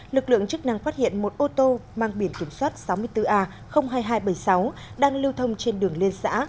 lực lượng chức năng phát hiện một ô tô mang biển kiểm soát sáu mươi bốn a hai nghìn hai trăm bảy mươi sáu đang lưu thông trên đường liên xã